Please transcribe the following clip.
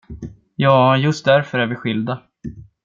Ja, just därför är vi skilda.